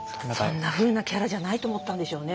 そんなふうなキャラじゃないと思ったんでしょうね。